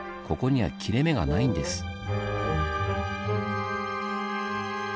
ここには切れ目がないんです。